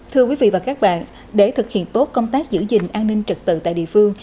thưa quý vị và các bạn để thực hiện tốt công tác giữ gìn an ninh trực tự tại địa phương